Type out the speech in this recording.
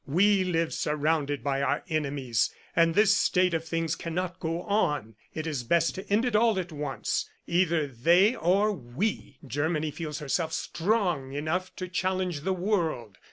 We live surrounded by our enemies, and this state of things cannot go on. It is best to end it at once. Either they or we! Germany feels herself strong enough to challenge the world.